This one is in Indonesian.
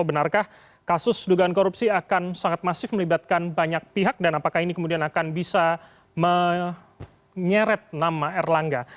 benarkah kasus dugaan korupsi akan sangat masif melibatkan banyak pihak dan apakah ini kemudian akan bisa menyeret nama erlangga